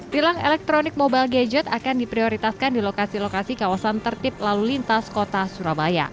tilang elektronik mobile gadget akan diprioritaskan di lokasi lokasi kawasan tertib lalu lintas kota surabaya